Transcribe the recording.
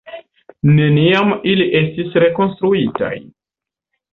Neniam ili estis rekonstruitaj.